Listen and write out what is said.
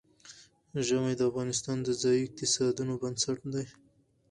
ژمی د افغانستان د ځایي اقتصادونو بنسټ دی.